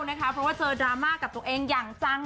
เพราะว่าเจอดราม่ากับตัวเองอย่างจัง